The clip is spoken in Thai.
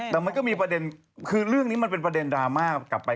แต่มันก็มีประเด็นคือเรื่องนี้มันเป็นประเด็นดราม่ากลับไป